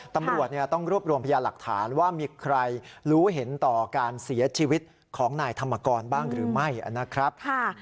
ตำรวจต้องรวบรวมพยาหลักฐานว่ามีใครรู้เห็นต่อการเสียชีวิตของนายธรรมกรบ้างหรือไม่นะครับ